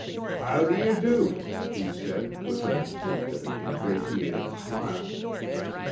"How do you do?" he said, with an attempt at an ingratiating smile.